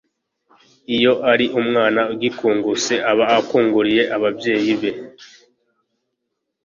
iyo ari umwana ugikunguse aba akunguriye ababyeyi be